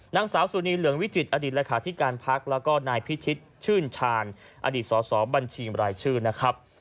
นางสาวสุนีเหลืองวิจิตอดีตเลขาธิการพักแล้วก็นายพิชิตชื่นชาญอดีตสอสอบัญชีรายชื่อนะครับ